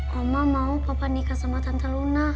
homa mau papa nikah sama tante luna